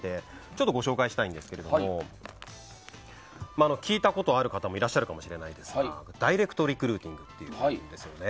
ちょっとご紹介したいんですけど聞いたことある方もいらっしゃるかもしれないですがダイレクトリクルーティング。